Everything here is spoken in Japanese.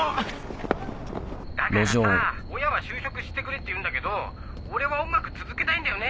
だからさぁ親は就職してくれって言うんだけど俺は音楽続けたいんだよね